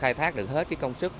khai thác được hết cái công sức